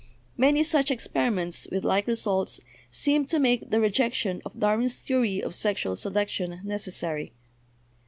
Many such experiments, with like results, seem to make the re jection of Darwin's theory of sexual selection necessary.